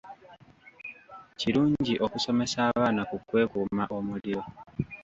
Kirungi okusomesa abaana ku kwekuuma omuliro.